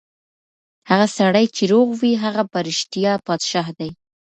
هغه سړی چې روغ وي، هغه په رښتیا پادشاه دی.